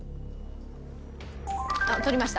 あっ取りました。